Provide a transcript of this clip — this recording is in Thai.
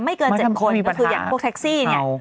ไม่เกิน๗คนก็คืออย่างพวกแท็กซี่เนี่ย